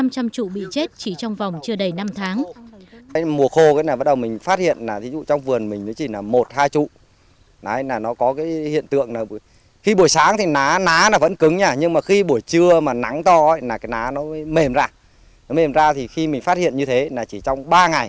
năm trăm linh trụ bị chết chỉ trong vòng chưa đầy năm tháng ba